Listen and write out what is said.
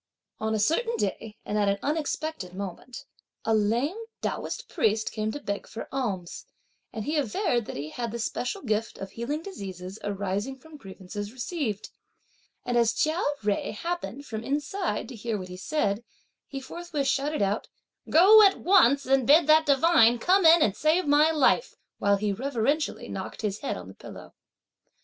On a certain day and at an unexpected moment, a lame Taoist priest came to beg for alms, and he averred that he had the special gift of healing diseases arising from grievances received, and as Chia Jui happened, from inside, to hear what he said, he forthwith shouted out: "Go at once, and bid that divine come in and save my life!" while he reverentially knocked his head on the pillow.